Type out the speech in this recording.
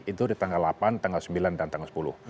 itu di tanggal delapan tanggal sembilan dan tanggal sepuluh